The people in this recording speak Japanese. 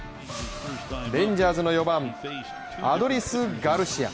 レンジャーズの４番・アドリス・ガルシア。